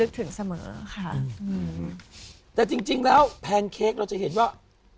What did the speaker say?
แต่จริงแล้วแพนเค้กเราจะเห็นว่า